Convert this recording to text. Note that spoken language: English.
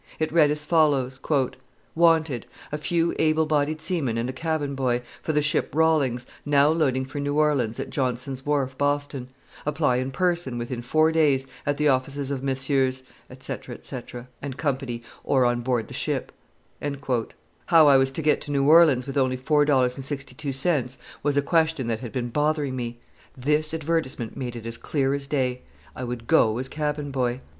It read as follows: WANTED. A Few Able bodied Seamen and a Cabin Boy, for the ship Rawlings, now loading for New Orleans at Johnson's Wharf, Boston. Apply in person, within four days, at the office of Messrs. & Co., or on board the Ship. How I was to get to New Orleans with only $4.62 was a question that had been bothering me. This advertisement made it as clear as day. I would go as cabin boy.